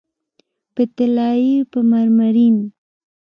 په طلایې، په مرمرین